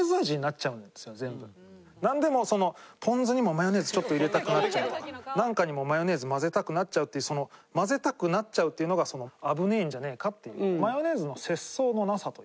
なんでもそのポン酢にもマヨネーズちょっと入れたくなっちゃうとかなんかにもマヨネーズ混ぜたくなっちゃうっていうその「混ぜたくなっちゃう」っていうのが危ねえんじゃねえかっていう。